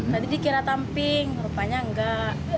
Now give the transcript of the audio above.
tadi dikira tamping rupanya enggak